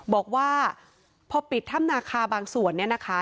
บอกว่าพอปิดถ้ำนาคาบางส่วนเนี่ยนะคะ